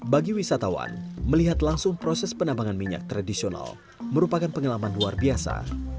bagi wisatawan melihat langsung proses penambangan minyak tradisional merupakan pengalaman luar biasa